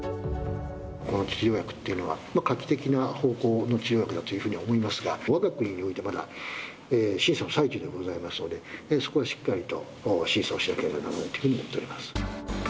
この治療薬っていうのは、画期的な方法の治療薬だというふうに思いますが、わが国において、まだ審査の最中でございますので、そこはしっかりと審査をしなければならないというふうに思っております。